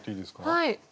はい。